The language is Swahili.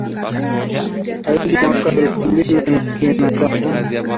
Hadi mwaka elfu mbili na kumi na tatu